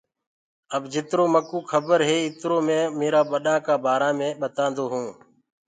اب جِترو مڪوُ کبر هي اُترو مي ميرآ ٻڏآ ڪآ بآرآ مي ٻتآنٚدو هوٚنٚ۔